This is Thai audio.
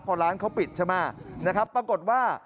พอร้านเขาปิดใช่ไหมนะครับปรากฏว่า